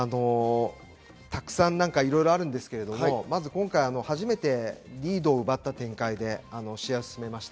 たくさんいろいろあるんですけれども、まず、今回初めてリードを奪った展開で試合を進めました。